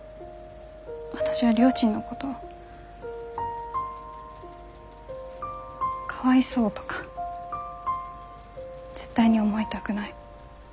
私はりょーちんのことかわいそうとか絶対に思いたくない。